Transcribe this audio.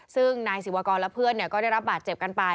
ซึ่งนายศิวากรและเพื่อนก็ได้รับบาดเจ็บกันไป